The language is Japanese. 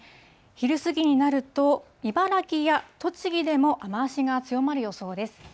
昼過ぎになると、茨城や栃木でも雨足が強まる予想です。